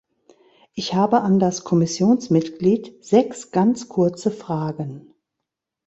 Ich habe an das Kommissionsmitglied sechs ganz kurze Fragen.